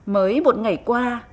mới một ngày qua